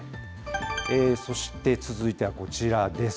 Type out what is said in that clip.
そして続いてはこちらです。